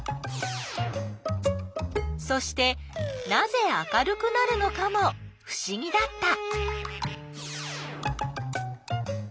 そしてなぜ明るくなるのかもふしぎだった。